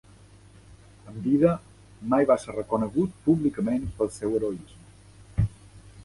En vida, mai va ser reconegut públicament pel seu heroisme.